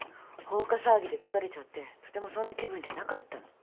放火騒ぎで疲れちゃってとてもそんな気分じゃなかったの。